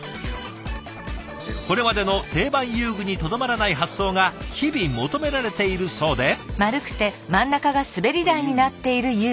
これまでの定番遊具にとどまらない発想が日々求められているそうで。